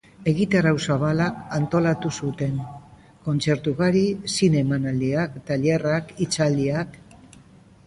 Egitarau zabala antolatu zuten: kontzertu ugari, zine emanaldiak, tailerrak, hitzaldiak...